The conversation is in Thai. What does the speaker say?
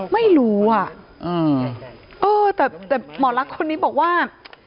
ไม่รู้อ่ะเออแต่หมอลักษณ์คนนี้บอกว่า